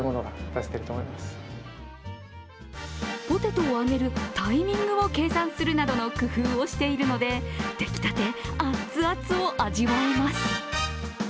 ポテトを揚げるタイミングを計算するなどの工夫をしているので、出来たて熱々を味わえます。